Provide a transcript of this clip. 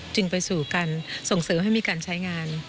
จึงไปสู่การส่งเสริมให้มีการใช้งาน